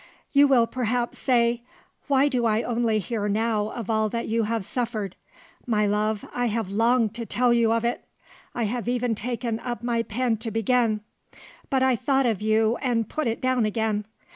"You will perhaps say, Why do I only hear now of all that you have suffered? My love, I have longed to tell you of it! I have even taken up my pen to begin. But I thought of you, and put it down again.